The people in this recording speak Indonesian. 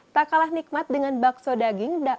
tak kalah nikmat dengan bakso daging